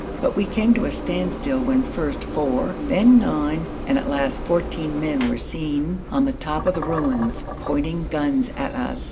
But we came to a standstill when first four, then nine, and at last fourteen men were seen on the top of the ruins, pointing guns at us.